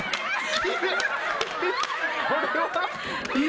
これは。